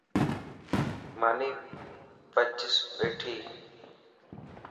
ماني پچَ ٻيٺي